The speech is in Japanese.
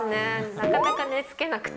なかなか寝つけなくて。